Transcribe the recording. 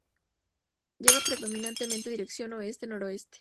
Lleva predominantemente dirección oeste-noroeste.